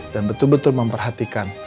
dan betul betul memperhatikan